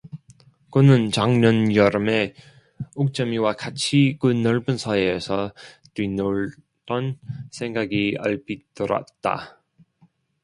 그는 작년 여름에 옥점이와 같이 그 넓은 서해에서 뛰놀던 생각이 얼핏 들었다.